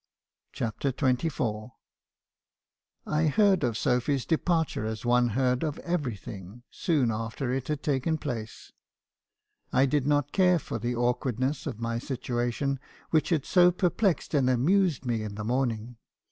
ME. ILAJLBISOn's CONFESSIONS. 307 CHAPTER XXIV. "I heard of Sophy's departure as one heard of everything, soon after it had taken place. I did not care for the awkward ness of my situation, which had so perplexed and amused me in the morning.